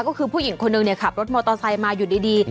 ก็คือผู้หญิงคนหนึ่งขับรถมอเตอร์ไซค์มาอยู่ดี